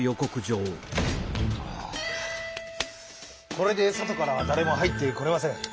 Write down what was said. これでそとからはだれも入ってこれません。